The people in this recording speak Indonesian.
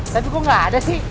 tapi kok nggak ada sih